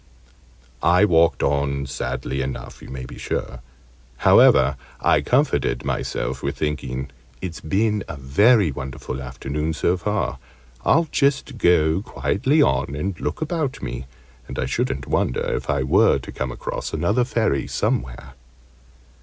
I walked on sadly enough, you may be sure. However, I comforted myself with thinking "It's been a very wonderful afternoon, so far. I'll just go quietly on and look about me, and I shouldn't wonder if I were to come across another Fairy somewhere."